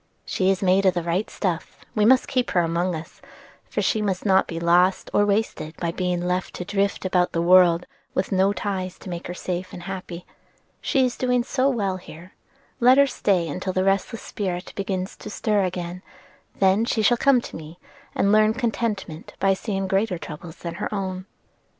"She is made of the right stuff, and we must keep her among us; for she must not be lost or wasted by being left to drift about the world with no ties to make her safe and happy. She is doing so well here, let her stay till the restless spirit begins to stir again; then she shall come to me and learn contentment by seeing greater troubles than her own."